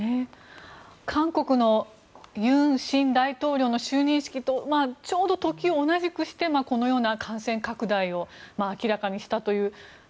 韓国の尹錫悦新大統領の就任式とちょうど時同じくしてこのような感染拡大を明らかにしたという。